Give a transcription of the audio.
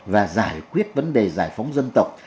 và giải quyết vấn đề giải phóng dân tộc